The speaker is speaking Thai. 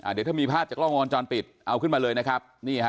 เดี๋ยวถ้ามีภาพจากล้องวงจรปิดเอาขึ้นมาเลยนะครับ